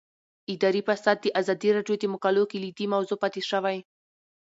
اداري فساد د ازادي راډیو د مقالو کلیدي موضوع پاتې شوی.